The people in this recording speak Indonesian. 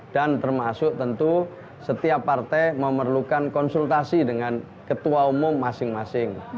dan termasuk tentu setiap partai memerlukan konsultasi dengan ketua umum masing masing